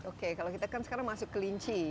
oke kalau kita kan sekarang masuk kelinci